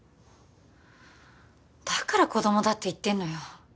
だから子供だって言ってんのよ